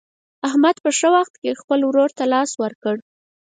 احمد په ښه وخت کې خپل ورور ته لاس ورکړ.